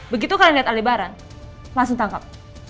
begitu kalian lihat aldebaran langsung tangkap